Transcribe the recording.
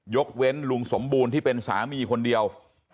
ยกเว้นลุงสมบูรณ์ที่เป็นสามีคนเดียว